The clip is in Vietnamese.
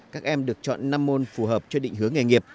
các em được chọn năm môn phù hợp cho định hướng nghề nghiệp